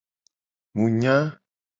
Mu nya.